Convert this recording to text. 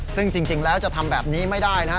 ซึ่งจริงแล้วจะทำแบบนี้ไม่ได้นะฮะ